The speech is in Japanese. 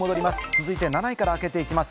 続いて７位から開けていきます。